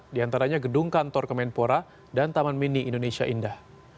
diantaranya gedung kantor kemenpora dan taman mini indonesia indah